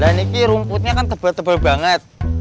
ini rumputnya kan tebal tebal banget